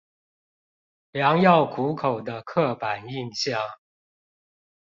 良藥苦口的刻板印象